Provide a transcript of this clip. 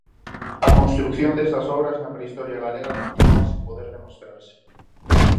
A construción destas obras na prehistoria galega continúa sen poder demostrarse.